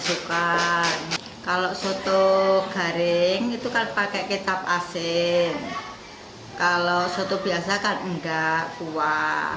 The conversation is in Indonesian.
suka kalau soto garing itu kan pakai kecap asin kalau soto biasa kan enggak tua